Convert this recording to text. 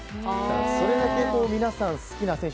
それだけ皆さん好きな選手